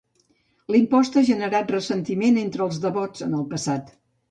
L'impost ha generat ressentiment entre els devots en el passat.